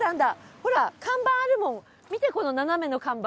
ほら看板あるもん見てこの斜めの看板。